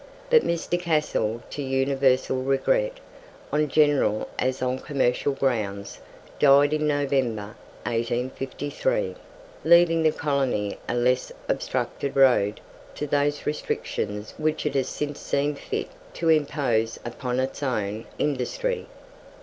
But Mr. Cassell, to universal regret, on general as on commercial grounds, died in November, 1853, leaving the colony a less obstructed road to those restrictions which it has since seen fit to impose upon its own industry.